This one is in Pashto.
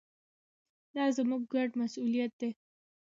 دا زموږ ګډ مسوولیت دی.